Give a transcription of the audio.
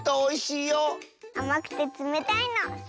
あまくてつめたいの。